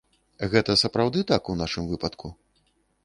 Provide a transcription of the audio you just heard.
Гэта сапраўды так у нашым выпадку?